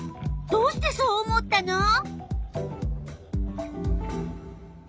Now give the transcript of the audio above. どうしてそう思ったの？